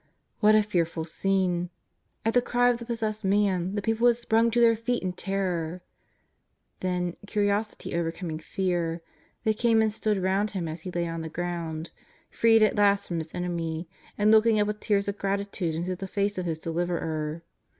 What a fearful scene ! At the cry of the possessed man the people had sprung to their feet in terror. Then, curiosity overcoming fear, they came and stood round him as he lay on the ground, freed at last from his enemy, and looking up with tears of gratitude into the face of his Deliverer.